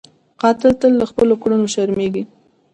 قاتل تل له خپلو کړنو شرمېږي